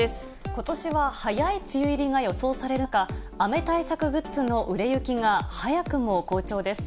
ことしは早い梅雨入りが予想される中、雨対策グッズの売れ行きが早くも好調です。